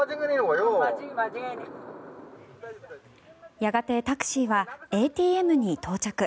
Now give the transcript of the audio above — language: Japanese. やがてタクシーはＡＴＭに到着。